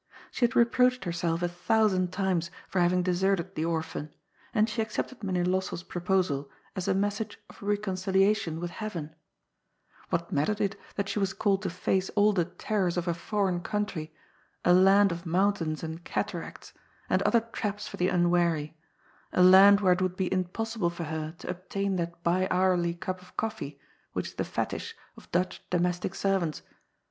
She had reproached herself a thousand times for having deserted the orphan, and she accepted Mynheer Lossell's proposal as a message of reconciliation with Heaven. What LIGHT AND SHADB. 37 mattered it that she was called to face all the terrors of a foreign countrj, a land of monntains and cataracts, and other traps for the unwary, a land where it would be impos sible for her to obtain that bi honrly cnp of coffee which is the fetish of Dutch domestic servants?